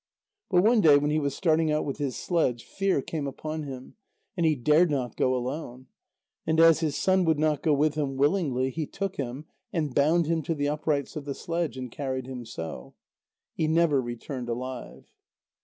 But one day when he was starting out with his sledge, fear came upon him, and he dared not go alone. And as his son would not go with him willingly, he took him, and bound him to the uprights of the sledge, and carried him so. He never returned alive.